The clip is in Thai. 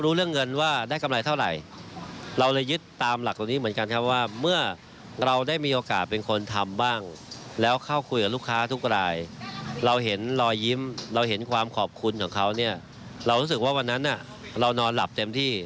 เรารู้สึกว่าวันนั้นเรานอนหลับเต็มที่